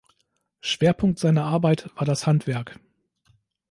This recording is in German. Schwerpunkt seiner Arbeit war das Handwerk.